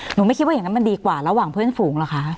ไม่คิดว่าอย่างนั้นมันดีกว่าระหว่างเพื่อนฝูงเหรอคะ